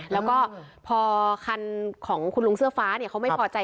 แล้วก็พอคันของคุณลุงเสื้อฟ้าเขาไม่พอใจ